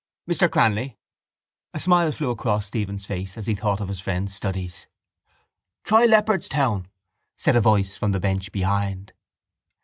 —Mr Cranly! A smile flew across Stephen's face as he thought of his friend's studies. —Try Leopardstown! said a voice from the bench behind.